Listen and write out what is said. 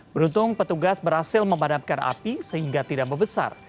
beruntung petugas berhasil memadamkan api sehingga tidak membesar